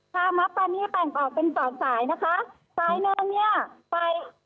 คาม๊อปตัวนี้แปลงออกเป็น๒สายนะคะสายหนึ่งเนี่ย